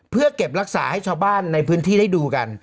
เพื่อเก็บรักษาให้ชาวบ้านในพื้นที่ได้ดูกัน